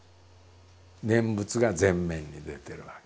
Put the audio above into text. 念仏が前面に出てるわけですよ。